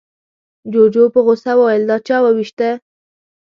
جوجو په غوسه وويل، دا چا ووېشته؟